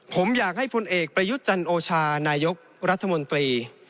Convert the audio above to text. ผมอยากให้พลเอกประยุทธ์จันโอชานายกรัฐมนตรี